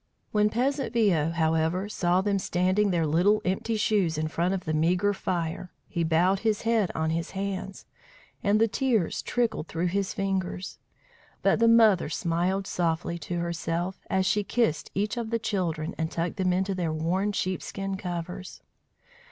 When peasant Viaud, however, saw them standing their little empty shoes in front of the meagre fire, he bowed his head on his hands, and the tears trickled through his fingers. But the mother smiled softly to herself, as she kissed each of the children and tucked them into their worn sheepskin covers.